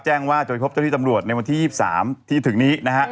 แจ้งว่าจะไปพบเจ้าที่ตำรวจในวันที่๒๓ที่ถึงนี้นะฮะ